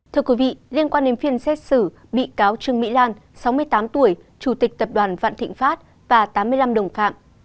thưa quý vị liên quan đến phiên xét xử bị cáo trương mỹ lan sáu mươi tám tuổi chủ tịch tập đoàn vạn thịnh pháp và tám mươi năm đồng phạm